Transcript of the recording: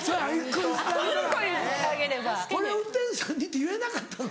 「これは運転手さんに」って言えなかったの？